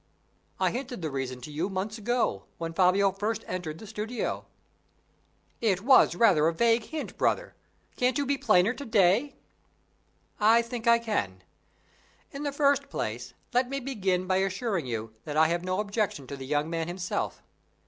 "I hinted the reason to you, months ago, when Fabio first entered the studio." "It was rather a vague hint, brother; can't you be plainer to day?" "I think I can. In the first place, let me begin by assuring you that I have no objection to the young man himself.